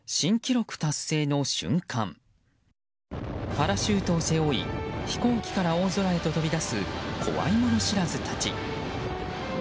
パラシュートを背負い飛行機から大空へと飛び出す怖いもの知らずたち。